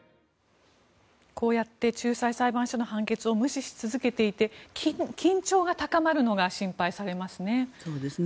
こうやって仲裁裁判所の判決を無視し続けていて緊張が高まるのが心配されますね。